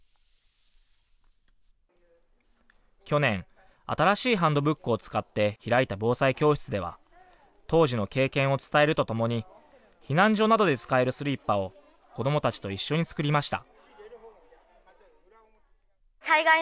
去年、新しいハンドブックを使って開いた防災教室では当時の経験を伝えるとともに避難所などで使えるスリッパを子どもたちと一緒に作りました。